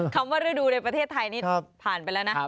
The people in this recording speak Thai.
คำว่าฤดูในประเทศไทยนี่ผ่านไปแล้วนะ